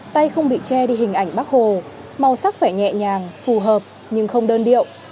tay không bị che đi hình ảnh bác hồ màu sắc phải nhẹ nhàng phù hợp nhưng không đơn điệu